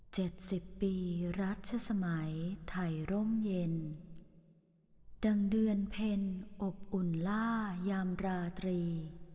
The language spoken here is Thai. สิบปีรัชสมัยไทยร่มเย็นดังเดือนเพ็ญอบอุ่นล่ายามราตรี